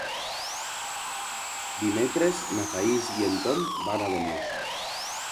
Dimecres na Thaís i en Tom van a Ademús.